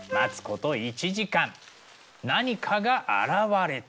何かが現れた。